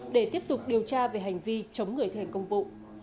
để tiếp tục điều tra về hành vi chống người thi hành công vụ